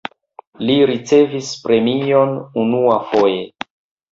Li ricevis premion unuafoje.